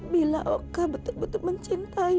bila oka betul betul mencintai